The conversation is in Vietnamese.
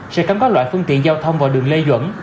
sẽ cấm các loại phương tiện giao thông vào đường lê duẩn